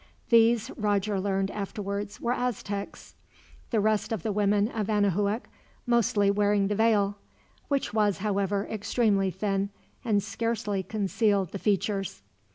These, Roger learned afterwards, were Aztecs, the rest of the women of Anahuac mostly wearing the veil; which was, however, extremely thin, and scarcely concealed the features.